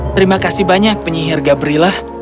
terima kasih banyak penyihir gabrillah